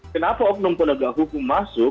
kenapa oknum penegak hukum masuk